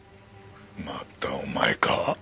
またお前か。